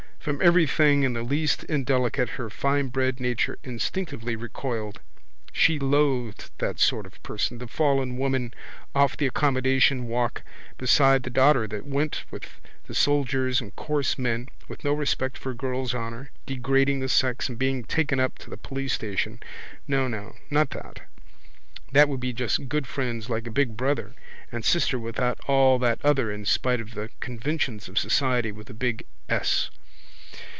From everything in the least indelicate her finebred nature instinctively recoiled. She loathed that sort of person, the fallen women off the accommodation walk beside the Dodder that went with the soldiers and coarse men with no respect for a girl's honour, degrading the sex and being taken up to the police station. No, no: not that. They would be just good friends like a big brother and sister without all that other in spite of the conventions of Society with a big ess.